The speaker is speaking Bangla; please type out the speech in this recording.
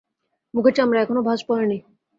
মুখের চামড়ায় এখনো তাঁজ পড়ে নি।